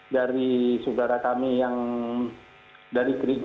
dari saudara kami yang dari gereja